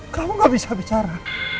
kamu gak bisa bicara